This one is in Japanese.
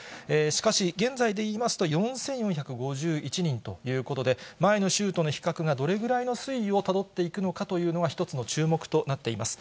しかし、現在でいいますと、４４５１人ということで、前の週との比較がどれぐらいの推移をたどっていくのかというのは一つの注目となっています。